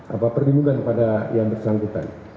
apa perlindungan kepada yang bersangkutan